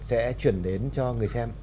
sẽ chuyển đến cho người xem